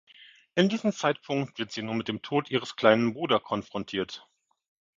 In diesem Zeitpunkt wird sie nun mit dem Tod ihres kleinen Bruder konfrontiert.